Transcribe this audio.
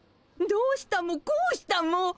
どうしたもこうしたも。